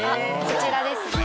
こちらですね